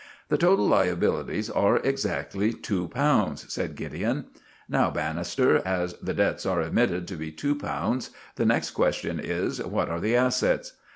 "The total liabilities are exactly two pounds," said Gideon. "Now, Bannister, as the debts are admitted to be two pounds, the next question is, what are the assets?